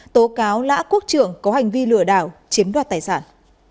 tố cáo lã quốc trưởng có hành vi lừa đảo chiếm đoạt tài sản